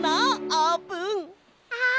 あーぷん！